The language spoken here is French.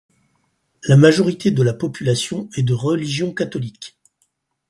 La majorité de la population est de religion catholique.